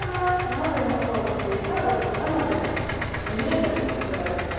鍋もそうだしサラダでも生でもゆでても食べられるから。